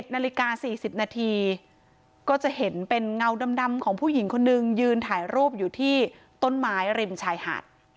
นาฬิกา๔๐นาทีก็จะเห็นเป็นเงาดำของผู้หญิงคนนึงยืนถ่ายรูปอยู่ที่ต้นไม้ริมชายหาด